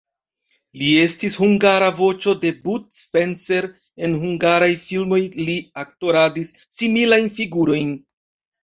Li estis hungara voĉo de Bud Spencer, en hungaraj filmoj li aktoradis similajn figurojn.